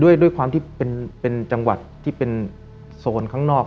ด้วยความที่เป็นจังหวัดที่เป็นโซนข้างนอก